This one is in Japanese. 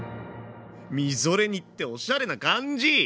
みぞれ煮っておしゃれな感じ！